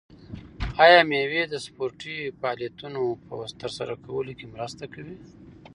آیا مېوې د سپورتي فعالیتونو په ترسره کولو کې مرسته کوي؟